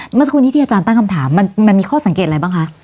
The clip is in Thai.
เมื่อสักครู่นี้ที่อาจารย์ตั้งคำถามมันมีข้อสังเกตอะไรบ้างคะ